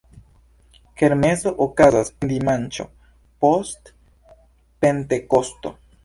Kermeso okazas en dimanĉo post Pentekosto.